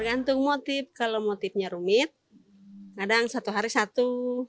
tergantung motif kalau motifnya rumit kadang satu hari satu